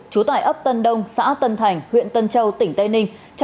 trú tại ấp tân đông xã tân thành huyện tân châu tỉnh tây ninh